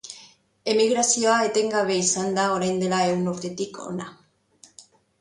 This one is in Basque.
Emigrazioa etengabea izan da orain dela ehun urtetik hona.